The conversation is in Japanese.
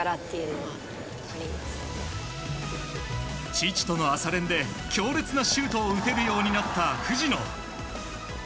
父との朝練で強烈なシュートを打てるようになった藤野。